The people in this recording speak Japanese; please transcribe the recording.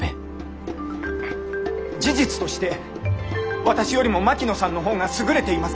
事実として私よりも槙野さんの方が優れています。